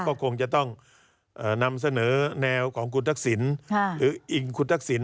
ก็คงจะต้องนำเสนอแนวของคุณทักษิณหรืออิงคุณทักษิณ